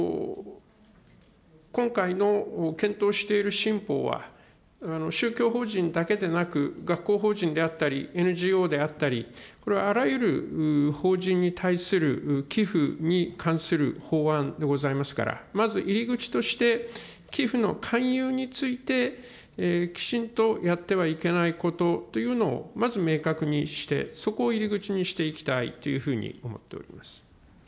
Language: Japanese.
今回の検討している新法は、宗教法人だけでなく、学校法人であったり、ＮＧＯであったり、これはあらゆる法人に対する寄付に関する法案でございますから、まず入り口として、寄付の勧誘について、きちんとやってはいけないことというのをまず明確にして、そこを入り口にしていきたいというふうに思っております。